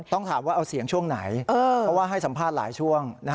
ต้องถามว่าเอาเสียงช่วงไหนเพราะว่าให้สัมภาษณ์หลายช่วง